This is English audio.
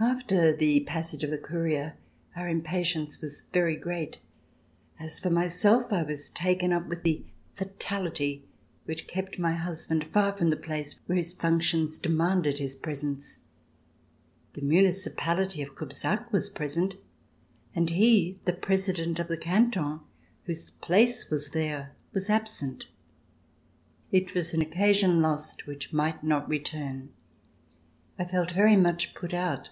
After the passage of the courier, our Im C328] THE EMPEROR AT BORDEAUX patience was very great. As for myself, I was taken up with the fatality which kept my husband far from the place where his functions demanded his presence. The municipality of Cubzac was present, and he, the President of the Canton, whose place was there, was absent. It was an occasion lost which might not return. I felt very much put out.